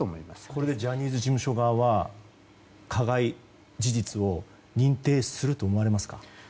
これでジャニーズ事務所側は加害事実を認定すると思われますか？